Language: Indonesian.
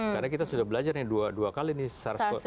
karena kita sudah belajar nih dua kali nih